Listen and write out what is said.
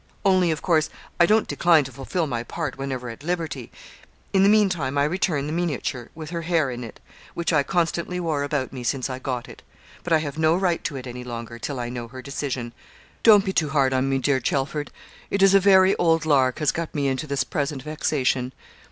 Only, of course, I don't decline to fulfil my part whenever at liberty. In the meantime I return the miniature, with her hair in it, which I constantly wore about me since I got it. But I have no right to it any longer, till I know her decision. Don't be too hard on me, dear Chelford. It is a very old lark has got me into this present vexation.